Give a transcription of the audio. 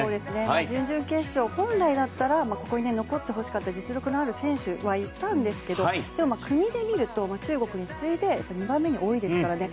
準々決勝、本来だったらここに残ってほしかった実力のある選手がいたんですけどでも、国で見ると中国に次いで２番目に多いですからね。